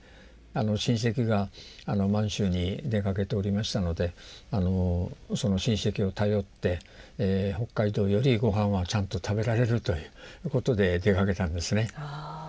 親戚が満州に出かけておりましたのでその親戚を頼って北海道よりご飯はちゃんと食べられるということで出かけたんですね。